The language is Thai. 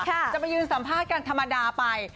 จะไปยืนสัมภาษณ์กันธรรมดาไป